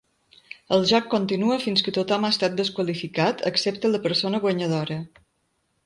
El joc continua fins que tothom ha estat desqualificat, excepte la persona guanyadora.